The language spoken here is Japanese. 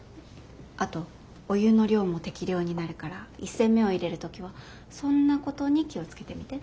あとお湯の量も適量になるから一煎目をいれる時はそんなことに気を付けてみて。